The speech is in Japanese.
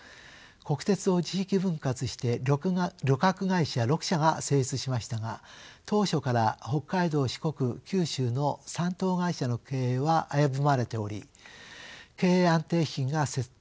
国鉄を地域分割して旅客会社６社が成立しましたが当初から北海道四国九州の３島会社の経営は危ぶまれており経営安定基金が設定されました。